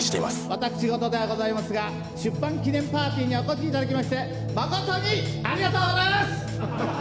私事ではこざいますが出版記念パーティーにお越しいただきまして誠にありがとうございます！